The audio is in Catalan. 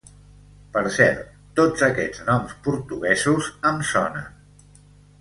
Per cert, tots aquests noms portuguesos em sonen.